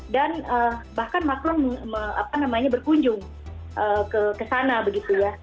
dan bahkan macron berkunjung ke sana begitu ya